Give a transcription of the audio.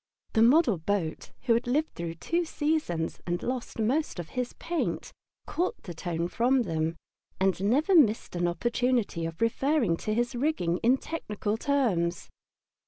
The model boat, who had lived through two seasons and lost most of his paint, caught the tone from them and never missed an opportunity of referring to his rigging in technical terms.